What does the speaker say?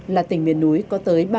là tỉnh miền núi có tới